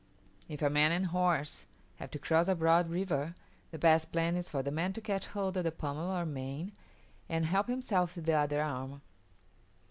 If a man and horse have to cross a broad river, the best plan is for the man to catch hold of the pommel or mane, and help himself with the other arm.